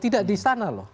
tidak di sana loh